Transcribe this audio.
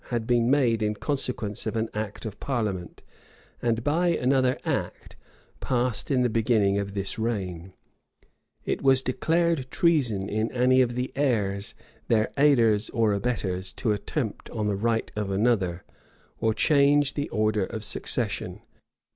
had been made in consequence of an act of parliament; and by another act, passed in the beginning of this reign, it was declared treason in any of the heirs, their aiders or abettors, to attempt on the right of another, or change the order of succession.